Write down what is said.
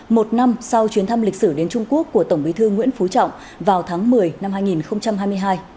một năm sau chuyến thăm lịch sử đến trung quốc của tổng bí thư nguyễn phú trọng vào tháng một mươi năm hai nghìn hai mươi hai